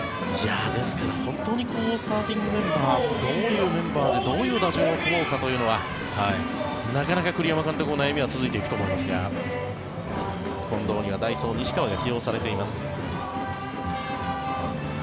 ですから本当にスターティングメンバーどういうメンバーでどういう打順を組もうかというのはなかなか栗山監督も悩みは続いていくと思いますが近藤には代走、西川が起用されています。